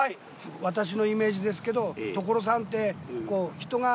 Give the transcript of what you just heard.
私のイメージですけど所さんってこう。